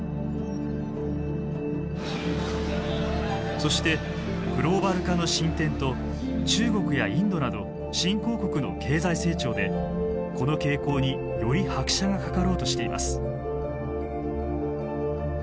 そしてグローバル化の進展と中国やインドなど新興国の経済成長でこの傾向により拍車がかかろうとしています。